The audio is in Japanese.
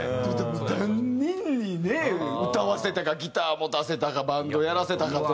もう何人にね歌わせたかギター持たせたかバンドやらせたかという。